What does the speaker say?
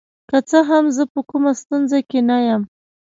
که څه هم زه په کومه ستونزه کې نه یم.